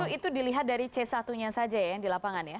itu dilihat dari c satu nya saja ya yang di lapangan ya